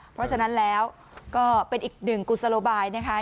เพราะฉะนั้นแล้วก็เป็นอีกหนึ่งกุศโลบายนะคะ